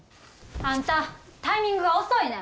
あんたタイミングが遅いねん！